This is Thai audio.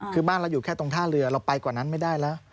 คือบ้านเราอยู่แค่ตรงท่าเรือเราไปกว่านั้นไม่ได้แล้ว